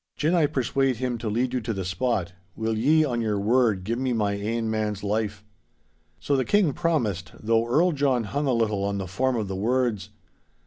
Gin I persuade him to lead you to the spot, will ye on your word, give me my ain man's life?" 'So the King promised, though Earl John hung a little on the form of the words.